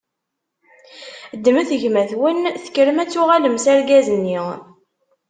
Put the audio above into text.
Ddmet gma-twen, tekkrem ad tuɣalem s argaz-nni.